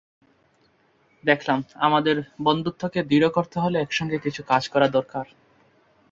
দেখলাম, আমাদের বন্ধুত্বকে দৃঢ় করতে হলে একসঙ্গে কিছু কাজ করা দরকার।